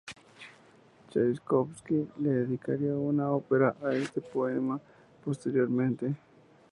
Chaikovski le dedicaría una ópera a este poema posteriormente.